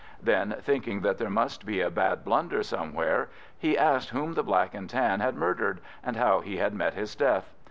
Then, thinking that there must be a bad blunder somewhere, he asked whom the Black and Tan had murdered, and how he had met his death.